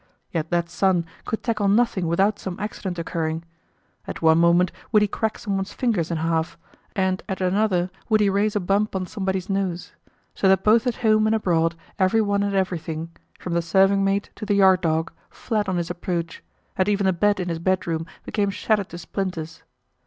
Yet that son could tackle nothing without some accident occurring. At one moment would he crack some one's fingers in half, and at another would he raise a bump on somebody's nose; so that both at home and abroad every one and everything from the serving maid to the yard dog fled on his approach, and even the bed in his bedroom became shattered to splinters.